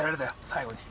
最後に。